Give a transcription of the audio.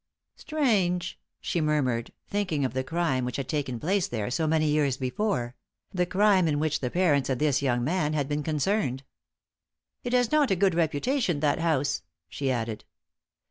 "Strange!" she murmured, thinking of the crime which had taken place there so many years before the crime in which the parents of this young man had been concerned. "It has not a good reputation, that house," she added.